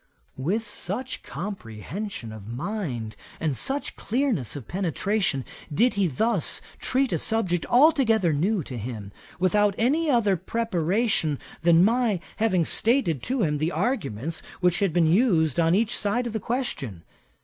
With such comprehension of mind, and such clearness of penetration, did he thus treat a subject altogether new to him, without any other preparation than my having stated to him the arguments which had been used on each side of the question.